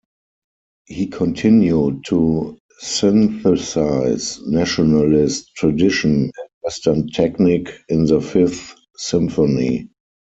He continued to synthesize nationalist tradition and Western technique in the Fifth Symphony.